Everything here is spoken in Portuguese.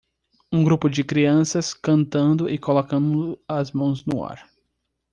Um grupo de crianças cantando e colocando as mãos no ar